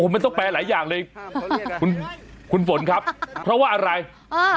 ไม่ต้องแปรหลายอย่างเลยคุณฝนครับเพราะว่าอะไรอ่ะทั้ง